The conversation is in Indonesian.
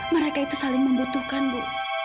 mereka itu saling membutuhkan bu